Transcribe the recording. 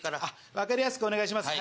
分かりやすくお願いします。